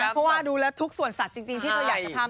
เพราะว่าดูแล้วทุกส่วนสัตว์จริงที่เธออยากจะทำ